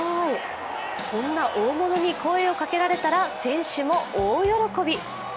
そんな大物に声をかけられたら選手も大喜び。